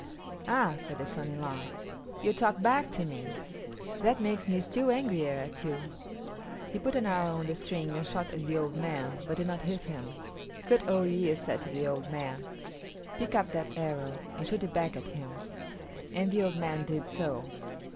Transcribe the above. "Ah," said the son in law, "you talk back to me. That makes me still angrier at you." He put an arrow on the string and shot at the old man, but did not hit him. Kut o yis´ said to the old man, "Pick up that arrow and shoot it back at him"; and the old man did so.